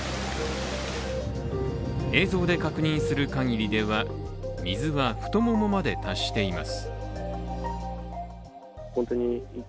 映像で確認する限りでは水は太ももまで達しています。